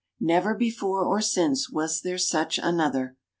Never before or since was there such another.